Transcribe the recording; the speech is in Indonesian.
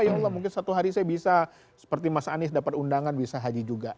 ya allah mungkin satu hari saya bisa seperti mas anies dapat undangan bisa haji juga